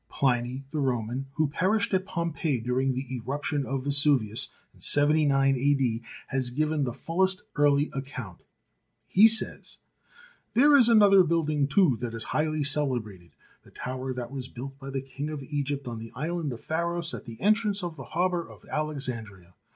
Pliny, the Roman, who perished at Pom peii during the eruption of Vesuvius in 79 A.D., has given the fullest early account. He says: There is another building, too, that is highly cele brated ; the tower that was built by the king of Egypt on the island of Pharos at the entrance of the harbour of Alexandria.